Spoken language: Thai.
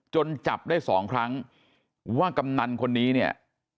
จับได้สองครั้งว่ากำนันคนนี้เนี่ย